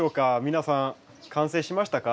皆さん完成しましたか？